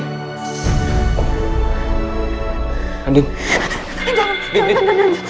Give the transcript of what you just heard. jangan jangan jangan